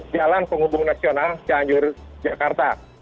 jalan penghubung nasional cianjur jakarta